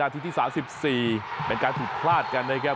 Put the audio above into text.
จากจังหวัดนี้นาทีที่๓๔เป็นการถูกพลาดกันนะครับ